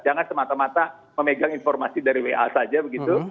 jangan semata mata memegang informasi dari wa saja begitu